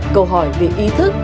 câu hỏi về ý thức